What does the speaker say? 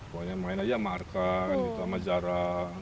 pokoknya main aja sama arka sama zara